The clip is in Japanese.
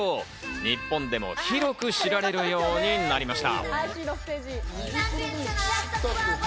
日本でも広く知られるようになりました。